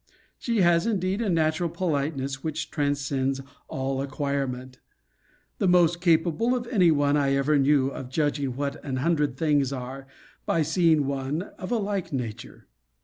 She has, indeed, a natural politeness, which transcends all acquirement. The most capable of any one I ever knew of judging what an hundred things are, by seeing one of a like nature.